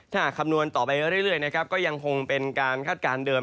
ถ้าหากคำนวณต่อไปเรื่อยนะครับก็ยังคงเป็นการคาดการณ์เดิม